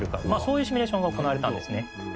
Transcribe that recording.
そういうシミュレーションが行われたんですね。